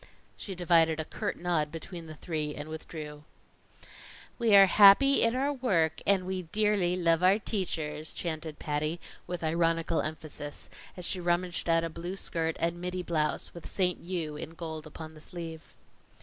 She divided a curt nod between the three and withdrew. "We are happy in our work and we dearly love our teachers," chanted Patty, with ironical emphasis, as she rummaged out a blue skirt and middy blouse with "St. U." in gold upon the sleeve.